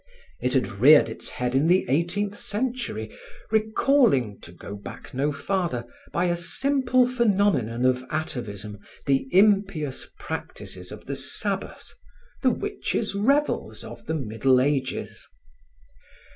It had reared its head in the eighteenth century, recalling, to go back no farther, by a simple phenomenon of atavism the impious practices of the Sabbath, the witches' revels of the Middle Ages.